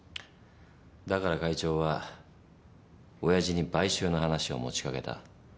だから会長はおやじに買収の話を持ちかけた。